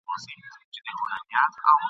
راته وایه ستا به څو وي اولادونه ..